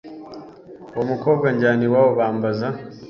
uwo mukobwa anjyana iwabo bambaza